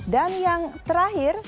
dan yang terakhir